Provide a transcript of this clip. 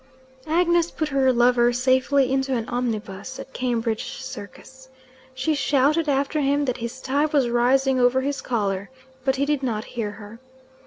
Agnes put her lover safely into an omnibus at Cambridge Circus. She shouted after him that his tie was rising over his collar, but he did not hear her.